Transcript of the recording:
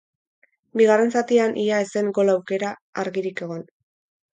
Bigarren zatian ia ez zen gol aukera argirik egon.